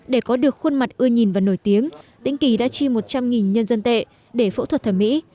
để có được khuôn mặt ưa nhìn và nổi tiếng kỳ đã chi một trăm linh nhân dân tệ để phẫu thuật thẩm mỹ